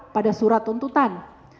pada surat tuntutan